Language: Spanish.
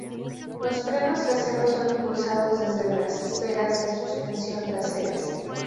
Los frenos traseros son impulsados desde las esferas de suspensión traseras.